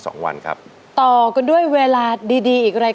โปรดติดตามต่อไป